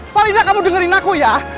faridah kamu dengerin aku ya